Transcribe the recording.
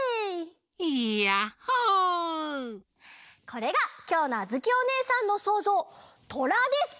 これがきょうのあづきおねえさんのそうぞうトラです！